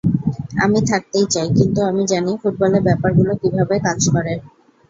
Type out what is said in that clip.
আমি থাকতেই চাই, কিন্তু আমি জানি ফুটবলে ব্যাপারগুলো কীভাবে কাজ করে।